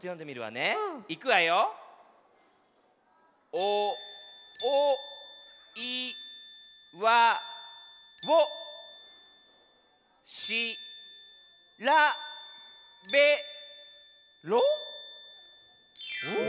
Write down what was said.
おおいわをしらべろ？